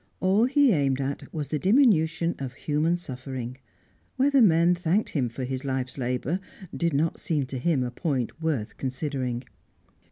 All he aimed at was the diminution of human suffering; whether men thanked him for his life's labour did not seem to him a point worth considering.